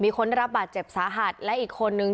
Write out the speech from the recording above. มีคนได้รับบัตรเจ็บสาหัตน์และอีกคนนึง